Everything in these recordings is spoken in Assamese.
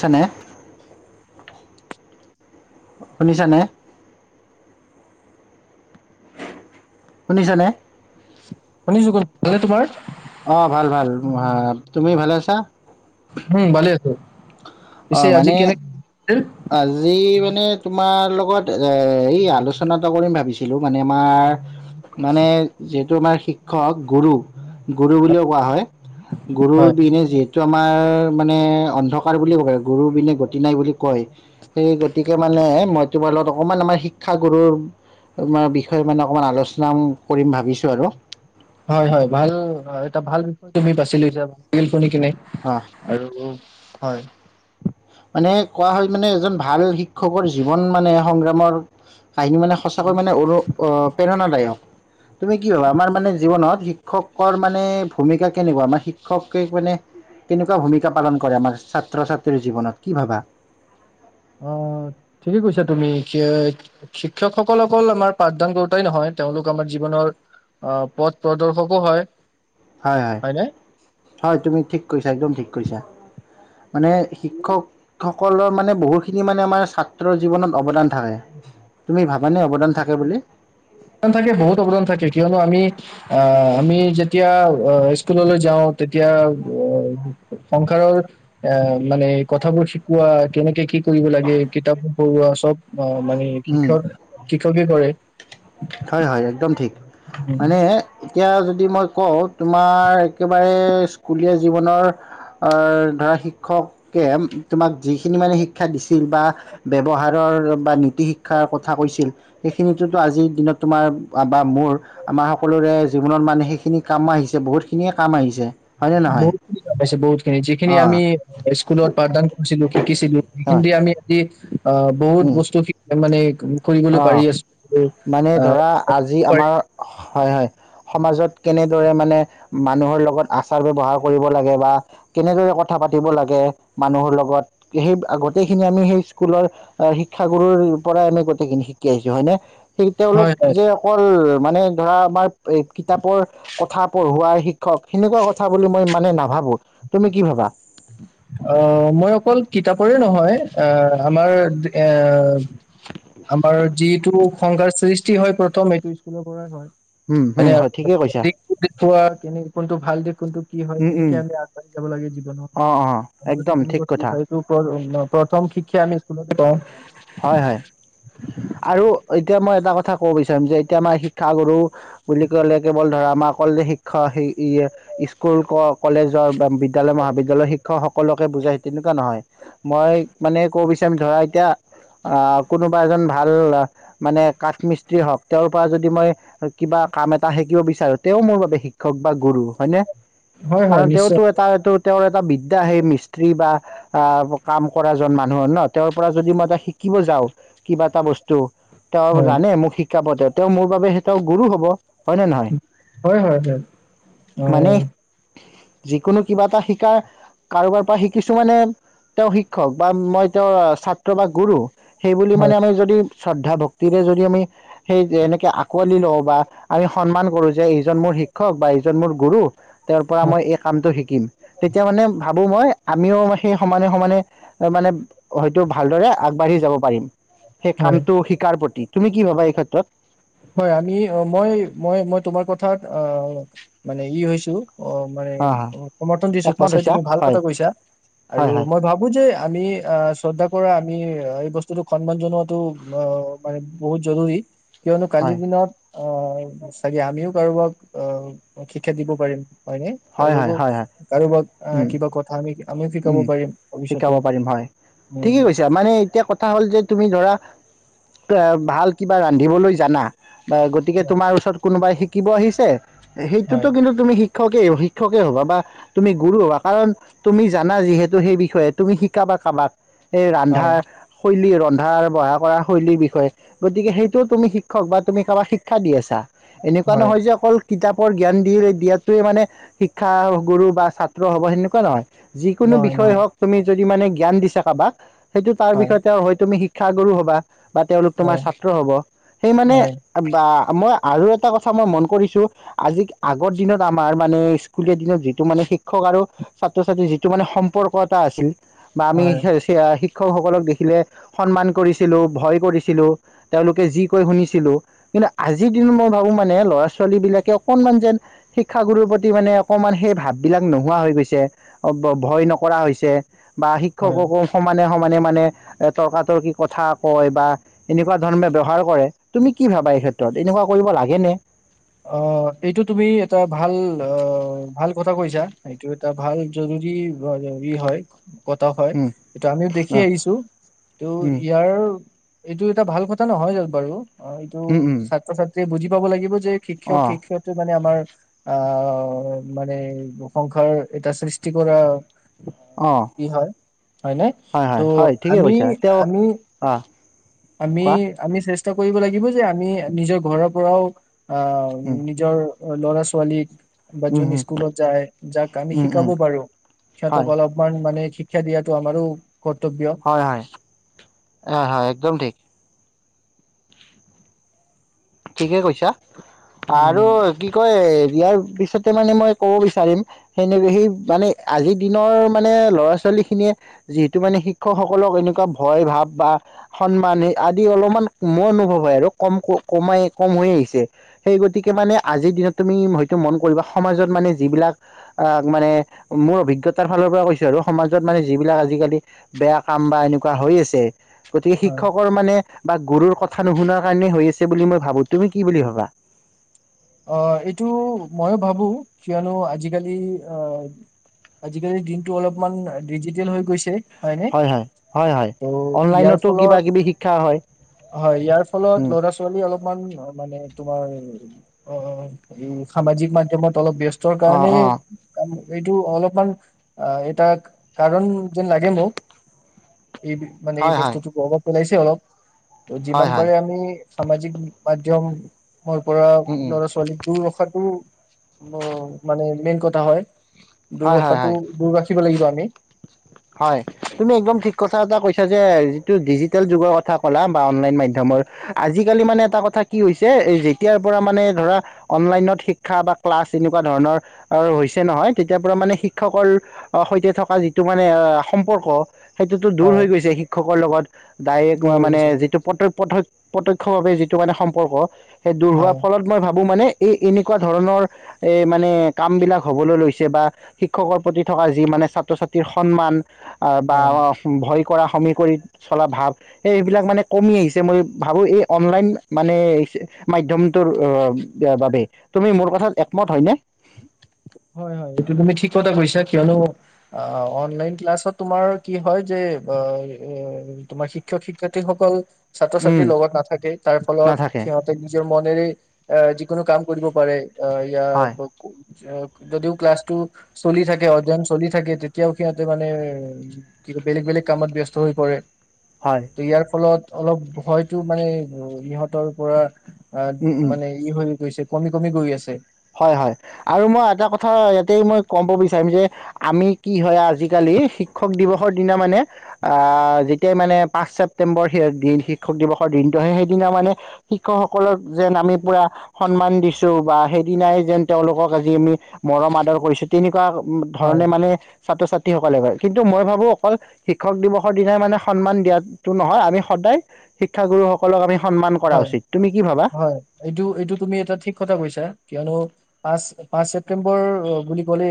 শুনিছানে? শুনিছানে? শুনিছ নে? শুনিছো কোৱা। অঁ ভাল ভাল তুমি ভালে। হা। উম ভালে আছো। অ পিছে আজি মানে কেনে? আজি মানে তোমাৰ লগত এ এই আলোচনা এটা কৰিম ভাবিছিলো মানে আমাৰ মানে যিহেতু আমাৰ শিক্ষক গুৰু। গুৰু বুলিওঁ কোৱা হয় গুৰুৰ হয়, দিনে যিহেতু আমাৰ। মানে অন্ধকাৰ বুলি ক কয় গুৰুবিনে গতি নাই বুলি কয়। সেই গতিকে মানে মই তোমাৰ লগত অকমান আমাৰ শিক্ষাগুৰুৰাৰ বিষয়ে মানে অকমান আলোচনা কৰিম ভাবিছো আৰু। হয় হয় ভাল এটা ভাল। তুমি বাচি লৈছা। শুনি কিনে অ আৰু। হয়। মানে কোৱা হয় মানে এজন ভাল শিক্ষকৰ জীৱন মানে সংগ্ৰামৰ। কাহিনী মানে সঁচাকৈ মানে অনু প্ৰেৰণাদায়ক। তুমি কি ভাবা আমাৰ মানে জীৱনত শিক্ষক। শিক্ষকৰ মানে ভূমিকা। কেনেকুৱা আমাৰ শিক্ষকে মানে কেনেকুৱা ভূমিকা পালন কৰে আমাৰ ছাত্ৰ ছাত্ৰীৰ জীৱনত। কি ভাবা? আঁহ ঠিকেই কৈছা তুমি শিক্ষকসকল অকল আমাৰ পাঠদান কৰোতাই নহয় তেওঁলোক আমাৰ জীৱনৰ আঁহ পথ প্ৰদৰ্শকো হয়। হয় হয় হয়নে? হয় তুমি ঠিক কৈছা একদম ঠিক কৈছা। মানে শিক্ষক। সকলৰ মানে বহুখিনি মানে আমাৰ ছাত্ৰৰ জীৱত অৱদান। থাকে তুমি ভাবানে অৱদান থাকে। তাকে বুলি। থাকে বহুত অৱদান থাকে কিয়নো আমি আহ আমি যেতিয়া আহ স্কুললৈ যাওঁ তেতিয়া সংসাৰৰ এ মানে কথাবোৰ শিকোৱা কেনেকে কি কৰিব লাগে কিতাপবোৰ পঢ়োৱা চব। অঁ। মানে উম, শিক্ষক। শিক্ষকে কৰে। হয় হয় একদম ঠিক। উম, মানে। এতিয়া যদি মই কওঁ। তোমাৰ একেবাৰে। স্কুলীয়া জীৱনৰ আহ ধৰা শিক্ষকে তোমাক যিখিনি মানে শিক্ষা দিছিল বা ব্যৱহাৰৰ বা নীতি শিক্ষাৰ কথা কৈছিল সেইখিনিতো আজিৰ দিনত। তোমাৰ বা মোৰ আমাৰ সকলোৰে জীৱনত মানে সেইখিনি কাম আহিছে বহুতখিনিয়ে কাম আহিছে। হয়নে নহয় বহুতিনাইছে বহুতখিনি যিখিনি অঁ আমি স্কুলত পাঠদান কৰিছিলো শিকিছিলো হয় সেইখিনি আমি আজি। অ বহুত বস্তু মানে কৰিবলৈ অ পাৰি আছো মানে আহ ধৰা আজি হয় আমাৰ হয় হয় সমাজত কেনেদৰে মানে মানুহৰ লগত আচাৰ ব্যৱহাৰ কৰিব লাগে। বা কেনেদৰে কথা পাতিব লাগে। মানুহৰ লগত সেই গোটেইখিনি আমি সেই স্কুলৰ শিক্ষাগুৰুৰ পৰাই আমি খিনি শিকি আহিছো হয় নে? সেইটো অলপ হয় যে অকল মানে ধৰা আমাৰ কিতাপৰ কথা পঢ়োৱা শিক্ষক সেনেকুৱা কথা বুলি মই মানে নাভাবো তুমি কি ভাবা অ মই অকল কিতাপৰে নহয় আহ আমাৰ এ আমাৰ যিটো [unintelligible] সংসাৰ সৃষ্টি হয় প্ৰথম এইটো স্কুলৰ পৰাই হয় উম [inaudible] উম হয় ঠিকেই কৈছা এনেই কোনটো ভাল দি কোনটো কি হয় উম উম কেনেকে আমি আগবাঢ়ি যাব লাগে জীৱনত অ অ কটো একদম তিনি ঠিক বস্তু কথা খাইছো [unintelligible] প্ৰথম শিক্ষা আমি স্কুলতে পাওঁ হয় হয় আৰু এতিয়া মই এটা কথা ক'ব বিচাৰিম যে এতিয়া আমাৰ শিক্ষাগুৰু বুলি ক'লে কেৱল ধৰা আমাৰ অ শিক্ষক স্কুল ক কলেজৰ বা বিদ্যালয় মহাবিদ্যালয়ৰ শিক্ষকসকলোকে বুজাই তেনেকুৱা নহয় মই মানে ক'ব বিচাৰিম ধৰা এতিয়া আহ কোনোবা এজন ভাল মানে কাঠ মিস্ত্ৰী হওক তেওঁৰ পৰা যদি মই কিবা কাম এটা শিকিব বিচাৰো তেও মোৰ বাবে শিক্ষক বা গুৰু হয়নে? হয় হয় কাৰণ নিশ্চয় তেওঁতো এটা এটো তেওঁৰ এটা বিদ্যা সেই মিস্ত্ৰী বা আ কাম কৰা মানুহ ন তেওঁৰ পৰা যদি মই শিকিব যাওঁ কিবা এটা বস্তু তেওঁ হয় জানে মোক শিক শিকাব তেওঁ তেওঁ মোৰ বাবে সেই তেওঁ গুৰু হ'ব। হয় নে নহয় হয় হয় হয় অ মানে যিকোনো কিবা এটা শিকাৰ কাৰোবাৰ পৰা শিকিছো মানে তেওঁ শিক্ষক বা মই তেওঁৰ ছাত্ৰ বা গুৰু সেইবুলি হয় মানে আমি যদি শ্ৰদ্ধা ভক্তিৰে যদি আমি সেই এনেকৈ আঁকোৱালি লওঁ বা আমি সন্মান কৰোঁ যে এইজন মোৰ শিক্ষক বা এইজন মোৰ গুৰু তেওঁৰ পৰা হয় মই এই কামটো শিকিম তেতিয়া মানে ভাবো মই আমিও সেই সমানে সমানে মানে হয়তো ভালদৰে আগবাঢ়ি যাব পাৰিম। সেই হয় কামটো শিকাৰ প্ৰতি তুমি কি ভাবা এই ক্ষেত্ৰত হয় আমি মই মই মই তোমাৰ কথা অ মানে ই হৈছো অ মানে হা হা সমৰ্থন দিছো একমত সঁচাই হৈছা তুমি ভাল হয় কথা কৈছা আৰু হয় হয় মই ভাবো যে আমি অহ শ্ৰদ্ধা কৰা আমি এই বস্তুটোক সন্মান জনোৱাটো মানে বহুত জৰুৰী কিয়নো হয় কালিৰ দিনত অ চাগে আমিও কাৰোবাক অ শিক্ষা দিব পাৰিম হয় হয় হয় উম হয় উম শিকাব পাৰিম হয় উম ঠিকেই কৈছা মানে এতিয়া কথা হ'ল যে তুমি ধৰা তে ভাল কিবা ৰান্ধিবলৈ জানা বা গতিকে হয় তোমাৰ ওচৰত কোনোবাই শি কিবা আহিছে সেইটোতো হয় কিন্তু তুমি শি শিক্ষকে শিক্ষকে হ'বা বা তুমি গুৰু হ'বা কাৰণ তুমি জানা যিহেতু সেই বিষয়ে তুমি শিকাবা কাবাক এই ৰন্ধা হয় শৈলী ৰ ৰন্ধাৰ বঢ়া কৰা শৈলীৰ বিষয়ে গতিকে সেইটোও তুমি শিক্ষক বা তুমি কাৰোবাক শিক্ষা দি আছা এনেকোৱা হয় নহয় যে অকল কিতাপৰ জ্ঞান দি দিয়াটোৱে মানে শিক্ষাগুৰু বা ছাত্ৰ হ'ব সেনেকোৱা নহয় যিকোনো নহয় বিষয়ে নহয় হওক তুমি যদি মানে জ্ঞান দিছা কাবাক সেইটো তাৰ বিষ হয় শিক্ষাগুৰু হবা বা তেওঁলোক তোমাৰ হয় ছাত্ৰ হ'ব সেই মানে হয় বা মই আৰু এটা কথা মই মন কৰিছো আজি আগৰ দিনত আমাৰ মানে স্কুলীয়া দিনত যিটো মানে শিক্ষক আৰু ছাত্ৰ ছাত্ৰী যিটো মানে সম্পৰ্ক এটা আছিল হয় [unintelligible] শিক্ষকসকলক দেখিলে সন্মান কৰিছিলোঁ ভয় কৰিছিলোঁ তেওঁলোকে যি কৈ শুনিছিলোঁ কিন্তু আজিৰ দিনত মই ভাবোঁ মানে ল'ৰা ছোৱালীবিলাকে অকণমান যেন শিক্ষাগুৰুৰ প্ৰতি মানে অকণমান সেই ভাববিলাক নোহোৱা হৈ গৈছে অ ভয় নকৰা হৈছে। বা হয় শিক্ষককো সমানে স মানে মানে এ তৰ্কাতৰ্কি কথা কয় বা এনেকোৱা ধৰণে ব্যৱহাৰ কৰে তুমি কি ভাবা এই ক্ষেত্ৰত এনেকোৱা কৰিব লাগে নে অ এইটো তুমি এটা ভাল অহ ভাল কথা কৈছা এইটো এটা ভাল জৰুৰী গত উম হয়টো আমিও দেখি অ আহিছো ত উম ইয়াৰ। এইটো এটা ভাল কথা নহয় জ বাৰু। অ এইটো উম উম ছাত্ৰ ছাত্ৰীয়ে বুজি পাব লাগিব যে। অ শিক্ষক শিক্ষয়িত্ৰী মানে আমাৰ অহ মানে সংসাৰ এটা সৃষ্টি কৰা অ কি হয় হয়নে হয় ত' হয় হয় ঠিকে আমি কৈছা তেওঁ আমি আহ আমি কোৱা আমি। চেষ্টা কৰিব লাগিব যে আমি নিজৰ ঘৰৰ পৰাও। অ উম নিজৰ। অ ল'ৰা ছোৱালিক। বা উম যোন উম স্কুলত যায় যাক আমি উম শিকাব উম পাৰো সিহঁতক হয় অলপমান মানে। শিক্ষা দিয়াটো আমাৰো। কৰ্তব্য হয় হয় অঁ হয় একদম ঠিক। কিঠিকে কৈছা। আৰু উম কি কয়। দিয়াৰ পিছতে মানে মই ক'ব বিচাৰিম সেনে সেই মানে আজিৰ দিনৰ মানে ল'ৰা ছোৱালী খিনিয়ে যিহেতু মানে শিক্ষকসকলক এনেকুৱা ভয় ভাৱ বা সন্মান। আদি অলপমান মোৰ অনুভৱ হয় আৰু কম ক। কমাই কম হৈ আহিছে সেই গতিকে মানে আজিৰ দিনত তুমি হয়তো মন কৰিবা সমাজত মানে যিবিলাক মানে মোৰ অভিজ্ঞতাৰ ফালৰ পৰা কৈছোঁ আৰু সমাজত মানে যিবিলাক আজিকালি বেয়া কাম বা এনেকুৱা হৈ আছে। গতিকে হয় শিক্ষকৰ মানে। বা গুৰুৰ কথা নুশুনাৰ কাৰণেই হৈ আছে। বুলি মই ভাবো তুমি কি বুলি ভাবা। অ এইটো মইো ভাবো কিয়নো আজিকালি আহ আজিকালিৰ দিনটো অলপমান ডিজিটেল হৈ গৈছে। হয়নে হয় হয় হয় হয় ত' ইয়াৰ অনলাইনতো কিবা ফলত কিবি শিক্ষা হয় হয় ইয়াৰ ফলত উম ল'ৰা ছোৱালী অলপমান মানে তোমাৰ। ওম। অঁ সামাজিক মাধ্যমত। অলপ ব্যস্তৰ অ কাৰণেই অ কাম। এইটো অলপমান এটা কাৰণ যেন লাগে মোক। এই মানে এই হয় হয় বস্তুটো। উলাইছে অলপ। ত' যিমান হয় হয় পাৰে আমি সামাজিক মাধ্যমত। মই পৰা। উম উম ল'ৰা ছোৱালীক দূৰ ৰখাতো। উ মানে মেইন কথা হয়। দূৰ হয় হয় হয় ৰখাতটো দূৰ ৰাখিব লাগিব আৰু। [unintelligible] হয় তুমি একদম ঠিক কথা এটা কৈছা যে যিটো ডিজিটেল যুগৰ কথা ক'লা বা অনলাইন মাধ্যমৰ আজিকালি মানে এটা কথা কি হৈছে যেতিয়াৰ পৰা মানে ধৰা অনলাইনত শিক্ষা বা ক্লাছ এনেকুৱা ধৰণৰ হৈছে নহয় তেতিয়াৰ পৰা মানে শিক্ষকৰ সৈতে থকা যিটো। মানে সম্পৰ্ক। সেইটোতো দূৰ হয় হৈ গৈছে শিক্ষকৰ লগত। ডাইৰেক্ট দূৰ হৈ মানে গৈছে যিটো প্ৰত্যক্ষ। ভাৱে যিটো মানে সম্পৰ্ক। সেই দূৰ হোৱাৰ হয় ফলত মই ভাবোঁ মানে। এই এনেকুৱা ধৰণৰ এ মানে কাম বিলাক হ'বলৈ লৈছে বা শিক্ষকৰ প্ৰতি থকা যি মানে ছাত্ৰ ছাত্ৰ। টি সন্মান। অ বা হয় ভয়। কৰা সমী চলা ভাৱ সেইবিলাক মানে কমি আহিছে মই ভাবোঁ এই অনলাইন মানে মাধ্যমৰ তোৰ বাবে তুমি মোৰ কথাত একমত হয়নে? হয় হয় এইটো তুমি ঠিক কথা কৈছা। কিয়নো অনলাইন ক্লাছত তোমাৰ কি হয় যে তোমাৰ শিক্ষক শিক্ষয়িত্ৰীৰ সকল। ছাত্ৰ উম ছাত্ৰীৰ লগত নাথাকে তাৰ ফলত নাথাকে সিহঁতে নিজৰ মনেৰে- আহ যিকোনো কাম কৰিব পাৰে। অ ইয়া। হয় যদিও ক্লাছটো চলি থাকে অধ্যয়ন চলি থাকে তেতিয়াও সিহঁতে মানে কি বেলেগ বেলেগ কামত ব্যস্ত হৈ পৰে। হয় ত ইয়াৰ ফলত। অলপ ভয়তো মানে ইহঁতৰ পৰা। অ উম উম মানে ই হৈ গৈছে। কমি কমি গৈ আছে। হয় হয় আৰু মই এটা কথা ইয়াতে মই ক'ব বিচাৰিম যে। আমি কি হয় আজিকালি শিক্ষক দিৱসৰ দিনা মানে আহ যেতিয়াই মানে পাঁচ ছেপ্তেম্বৰ শিক্ষক দিৱসৰ দিনটো আহে সেইদিনা মানে শিক্ষকসকলক যেন আমি পুৰা সন্মান দিছোঁ বা সেই। দিনাই যেন তেওঁলোকক আজি আমি মৰম আদৰ কৰিছোঁ তেনে- তেনেকুৱাই হয় ধৰণে মানে। ছাত্ৰ ছাত্ৰীসকলে কৰে কিন্তু মই ভাবোঁ অকল শিক্ষক দিৱসৰ দিনাই মানে সন্মান দিয়াতটো নহয় আমি সদায় শিক্ষাগুৰুসকলক আমি। সন্মান কৰা হয় উচিত তুমি কি ভাবা হয় এইটো এইটো তুমি এটা ঠিক কথা কৈছা। কিয়নো পাঁচ পাঁচ ছেপটেম্বৰ বুলি ক'লে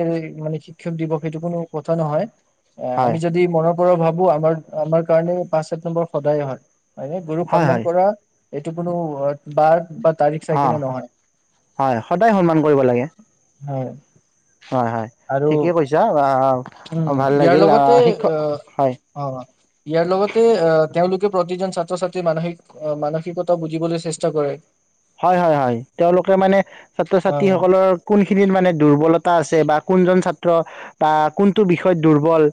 মানে শিক্ষক দিৱস সেইটো কোনো কথা নহয়। হয় আমি যদি মৰম। ভাবোঁ আমাৰ আমাৰ কাৰণে পাঁচ ছেপ্টেম্বৰ সদায়ে হয়। হয়নে গুৰক হয় সন্মান হয় কৰা। এইটো কোনো বাৰ। তাৰিখ চাই অ কিনে নহয় হয় সদায় সন্মান কৰিব লাগে। হয়। হয় হয় আৰু ঠিকেই কৈছা আহ উম ভাল ইয়াৰ লাগিল আহ লগতে শিক্ষক হয় আহ অ ইয়াৰ লগতে আহ তেওঁলোক। প্ৰতিজন ছাত্ৰ ছাত্ৰী মানসিক অ মানসিক- নৈতিকত বুজিবলৈ চেষ্টা কৰে। হয় হয় হয় তেওঁলোকে মানে ছাত্ৰ অ ছাত্ৰীসকলৰ কোনখিনিত মানে দুৰ্বলতা আছে বা কোনজন ছাত্ৰ। ত বা কোনটো বিষয়ত দুৰ্বল।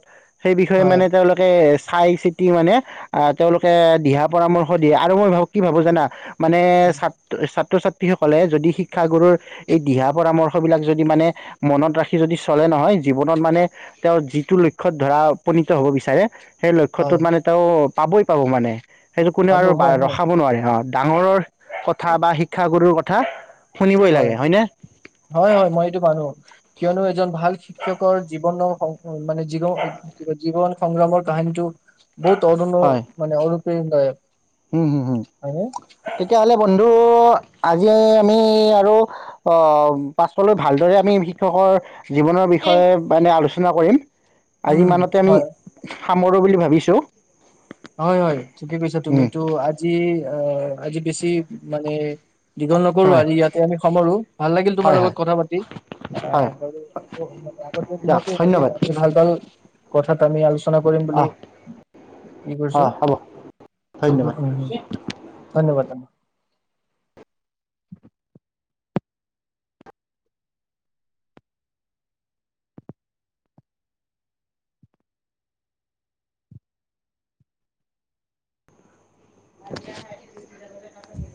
সেই বিষয়ে হয় মানে তেওঁলোকে। চাই চিতি মানে আহ তেওঁলোকে দিহা পৰামৰ্শ দিয়ে আৰু মই ভাবোঁ কি ভাবোঁ জানা। মানে চাত ছাত্ৰ ছাত্ৰীসকলে যদি শিক্ষাগুৰুৰ এই দিহা পৰামৰ্শ বিলাক যদি মানে মনত ৰাখি যদি চলে নহয়। জীৱনত মানে তেওঁ যিটো লক্ষ্যয়ত ধৰা উপনীত হ'ব বিচাৰে- সেই হয় লক্ষ্যটোত মানে তেওঁ- পাবই পাব মানে। সেইটো কোনেও পাব আৰু হয় বা- হয় ৰখাব নোৱাৰে, হা। ডাঙৰৰ কথা বা শিক্ষাগুৰুৰ ক কথা শুনিবই হয়, লাগে হয়নে? হয় - হয় মই এইটো মানোঁ। কিয়নো এজন ভাল শিক্ষকৰ জীৱন অ' মানে জীৰ- জীৱন সংগ্ৰামৰ কাহিনীটো বহু তদন্দ মানে আৰু [unintelligible] উম - উম - উম। তেতিয়াহ'লে কিন্তু আজি আমি আৰু অ' পাছলৈ ভালদৰে আমি শিক্ষকৰ জীৱনৰ বিষয়ে মানে আলোচ চনা কৰিম। আজি উম ইমানতে আমি হয় সামৰোঁ বুলি ভাবিছোঁ। উম তুমিতো আজি অ' আজি বেছি মানে দীঘল নকৰোঁ, হয় আজি ইয়াতে আমি সামৰোঁ। ভাল লাগিল তোমাৰ হয় লগত হয় কথা পাতি। হয় অ' বাৰু আৰু মানে আগন্তক দিয়ক দিনতো এনেকে ধন্যবাদ আমি ভাল - ভাল কথাটো আমি আলোচ চনা কৰিম অহ বুলি কৰিছো অ' হ'ব। উম ধন্যবাদ। উম উম [unintelligible] [unintelligible]